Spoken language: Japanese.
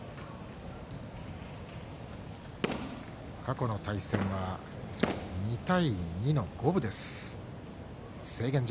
過去の対戦は２対２の五分です。